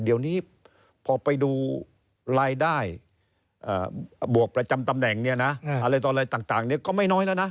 เดี๋ยวนี้พอไปดูรายได้บวกประจำตำแหน่งเนี่ยนะอะไรต่ออะไรต่างก็ไม่น้อยแล้วนะ